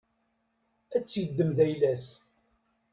Ad t-iddem d ayla-s.